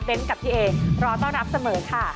เบ้นท์กับเจ๋รอต้อนรับเสมอค่ะ